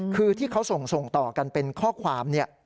คือที่เขาส่งต่อกันเป็นข้อความเนี่ย